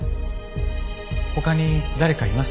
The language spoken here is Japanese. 他に誰かいますか？